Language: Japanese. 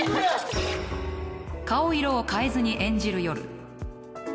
顔色を変えずに演じる夜。